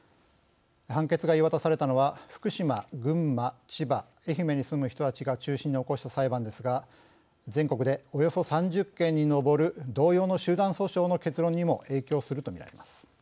判決が言い渡されたのは福島、群馬、千葉、愛媛に住む人たちが中心に起こした裁判ですが全国でおよそ３０件に上る同様の集団訴訟の結論にも影響すると見られます。